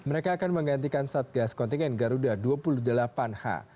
mereka akan menggantikan satgas kontingen garuda dua puluh delapan h